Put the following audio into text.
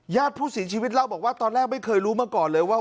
ญาติผู้เสียชีวิตเล่าบอกว่าตอนแรกไม่เคยรู้มาก่อนเลยว่า